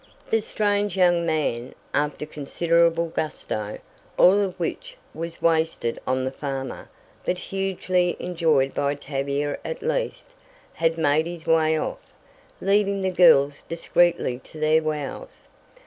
The strange young man, after considerable gusto, all of which was wasted on the farmer, but hugely enjoyed by Tavia at least, had made his way off, leaving the girls discreetly to their woes.